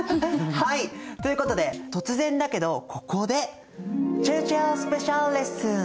はい！ということで突然だけどここでちぇるちぇるスペシャルレッスン。